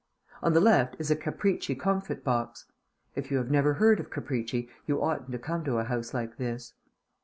On the left is a Capricci comfit box. If you have never heard of Capricci, you oughtn't to come to a house like this.